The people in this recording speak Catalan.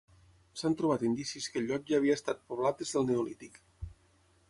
S'han trobat indicis que el lloc ja havia estat poblat des del Neolític.